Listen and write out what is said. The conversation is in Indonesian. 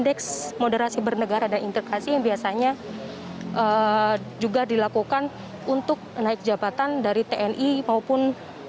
kebijakan yang akan dilakukan oleh pemerintah yang akan dilakukan oleh pemerintah yang akan dilakukan